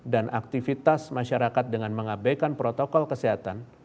dan aktivitas masyarakat dengan mengabaikan protokol kesehatan